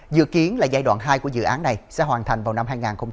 dự kiến là giai đoạn hai của dự án này sẽ hoàn thành vào năm hai nghìn hai mươi năm